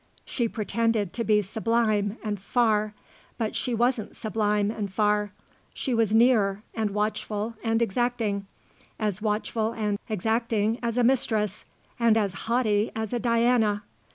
She pretended to be sublime and far; but she wasn't sublime and far; she was near and watchful and exacting; as watchful and exacting as a mistress and as haughty as a Diana.